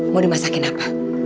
mau dimasakin apa